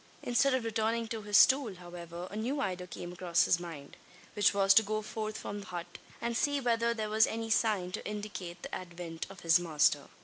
Instead of returning to his stool, however, a new idea came across his mind; which was to go forth from the hut, and see whether there was any sign to indicate the advent of his master.